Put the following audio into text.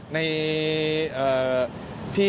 ใน